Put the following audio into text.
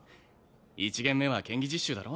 １限目は剣技実習だろ